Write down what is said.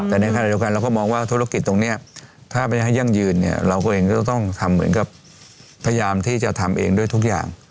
แต่ในขณะเดียวกันเราก็มองว่าธุรกิจตรงนี้ถ้าไม่ได้ให้ยั่งยืนเนี่ยเราก็เองก็ต้องทำเหมือนกับพยายามที่จะทำเองด้วยทุกอย่าง